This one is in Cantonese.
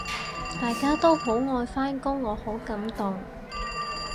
大家都好愛返工，我好感動